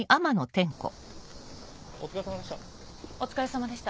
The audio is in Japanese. お疲れさまでした。